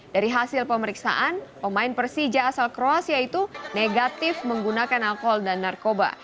dari hasil pemeriksaan pemain persija asal kroasia itu negatif menggunakan alkohol dan narkoba